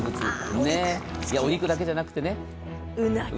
お肉だけじゃなくて。